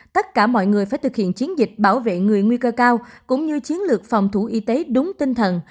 tất cả mọi người phải thực hiện chiến dịch bảo vệ người nguy cơ cao cũng như chiến lược phòng thủ y tế đúng tinh thần